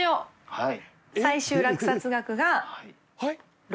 はい。